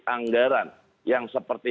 anggaran yang seperti